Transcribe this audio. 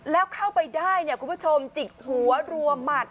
แล้วเข้าไปได้เนี่ยคุณผู้ชมจิกหัวรัวหมัด